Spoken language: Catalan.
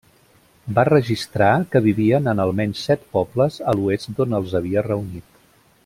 Va registrar que vivien en almenys set pobles a l'oest d'on els havia reunit.